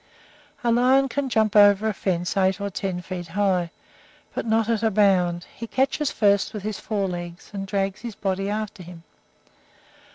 A lion can jump over a fence eight or ten feet high, but not at a bound. He catches first with his forelegs, and drags his body after him.